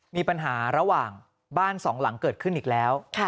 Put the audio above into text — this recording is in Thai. มีปัญหาระหว่างบ้านสองหลังเกิดขึ้นอีกแล้ว